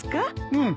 うん。